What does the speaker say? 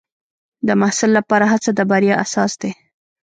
د محصل لپاره هڅه د بریا اساس دی.